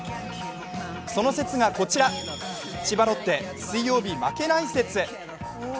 その説がこちら、千葉ロッテ水曜日負けない説。